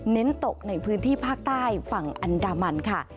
เน้นตกในพื้นที่ภาคใต้ฝั่งอันดามันค่ะ